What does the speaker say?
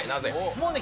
もうね